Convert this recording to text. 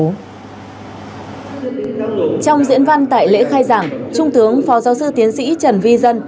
trong diễn văn tại lễ khai giảng trung tướng phó giáo sư tiến sĩ trần vi dân